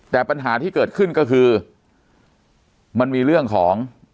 แต่ปัญหาที่เกิดขึ้นก็คือมันมีเรื่องของ